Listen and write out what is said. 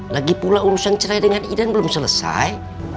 lagi pula urusan cerai dengan idan belum selesai